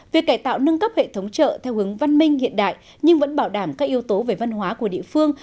việc cải tạo nâng cấp hệ thống chợ theo hướng văn minh hiện đại nhưng vẫn bảo đảm các yếu tố về văn hóa của địa phương